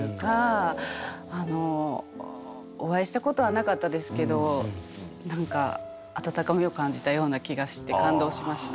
あのお会いしたことはなかったですけど何か温かみを感じたような気がして感動しました。